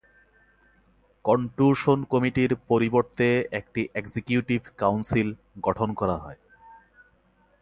"Contusion কমিটি"র পরিবর্তে একটি "এক্সিকিউটিভ কাউন্সিল" গঠন করা হয়।